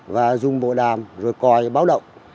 và dùng bộ đàm rồi còi báo động